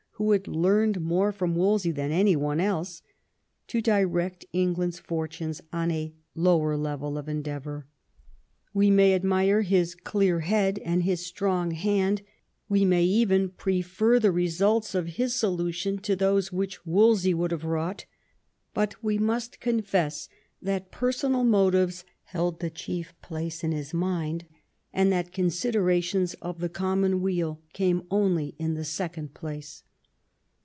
who had learned more from Wolsey than any one else, to direct England's fortunes on a lower level of endeavour. We may admire his clear head and his strong hand; we may even prefer the results of his solution to those which Wolsey would have wrought; but we must confess that personal motives held the chief place in his mind, and that considerations of the common weal came only in the second place.